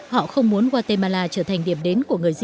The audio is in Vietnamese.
họ không muốn guatemala trở thành điểm đến của người di cư